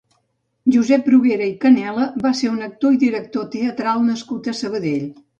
Josep Bruguera i Canela va ser un actor i director teatral nascut a Sabadell.